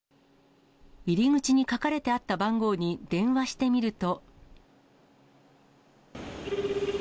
入り口に書かれてあった番号に電話してみると。